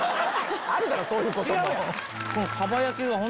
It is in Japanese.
あるだろそういうことも。